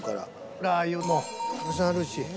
ラー油もたくさんあるし。